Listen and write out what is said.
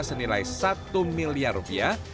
senilai satu miliar rupiah